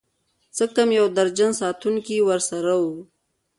څه کم يو درجن ساتونکي ورسره وو.